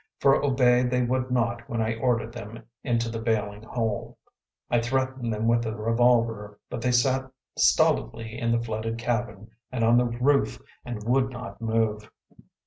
For obey they would not when I ordered them into the bailing hole. I threatened them with the revolver, but they sat stolidly in the flooded cabin and on the roof and would not move.